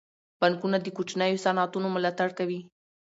بانکونه د کوچنیو صنعتونو ملاتړ کوي.